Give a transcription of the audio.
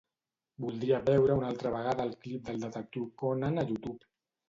Voldria veure una altra vegada el clip d'"El detectiu Conan" a YouTube.